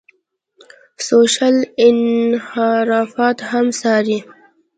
سوشل انحرافات هم څاري.